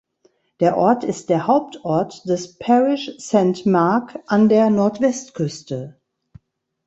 Der Ort ist der Hauptort des Parish Saint Mark an der Nordwestküste.